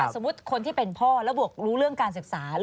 สมมุติคนที่เป็นพ่อแล้วบวกรู้เรื่องการศึกษา